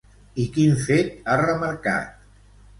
I quin fet ha remarcat?